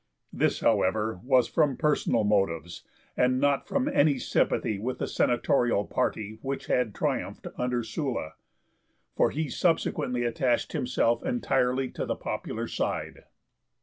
This, however, was from personal motives, and not from any sympathy with the Senatorial party which had triumphed under Sulla; for he subsequently attached himself entirely to the popular side.